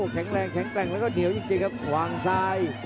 แข็งแรงแข็งแกร่งแล้วก็เหนียวจริงครับวางซ้าย